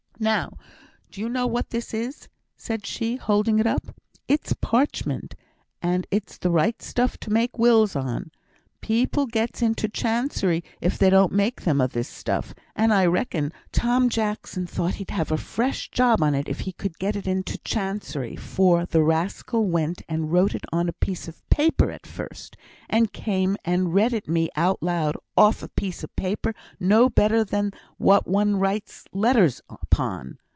"Now, do you know what this is?" said she, holding it up. "It's parchment, and it's the right stuff to make wills on. People gets into Chancery if they don't make them o' this stuff, and I reckon Tom Jackson thowt he'd have a fresh job on it if he could get it into Chancery; for the rascal went and wrote it on a piece of paper at first, and came and read it me out loud off a piece of paper no better than what one writes letters upon.